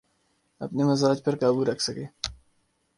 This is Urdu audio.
اپنے مزاج پہ قابو رکھ سکے۔